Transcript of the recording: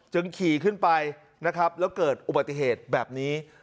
ขี่ขึ้นไปนะครับแล้วเกิดอุบัติเหตุแบบนี้